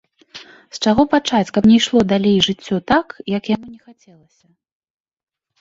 З чаго пачаць, каб не ішло далей жыццё так, як яму не хацелася?